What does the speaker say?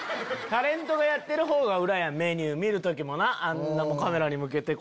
タレントがやってるほうが裏やんメニュー見る時もカメラに向けて。